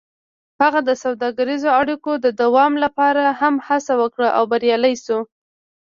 هغه د سوداګریزو اړیکو د دوام لپاره هم هڅه وکړه او بریالی شو.